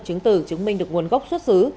chứng tử chứng minh được nguồn gốc xuất xứ